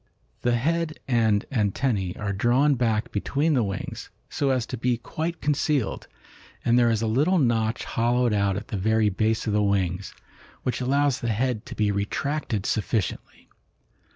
The head and antennae are drawn back between the wings, so as to be quite concealed, and there is a little notch hollowed out at the very base of the wings, which allows the head to be retracted sufficiently.